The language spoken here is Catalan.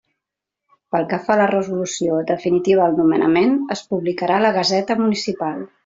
Pel que fa a la resolució definitiva del nomenament, es publicarà a la Gaseta Municipal.